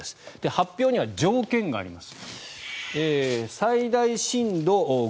発表には条件があります。